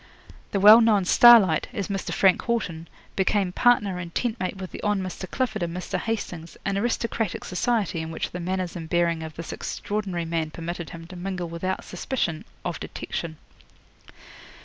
The well known Starlight, as Mr. Frank Haughton, became partner and tent mate with the Hon. Mr. Clifford and Mr. Hastings, an aristocratic society in which the manners and bearing of this extraordinary man permitted him to mingle without suspicion of detection.